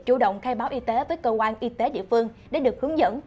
chủ động khai báo y tế với cơ quan y tế địa phương để được hướng dẫn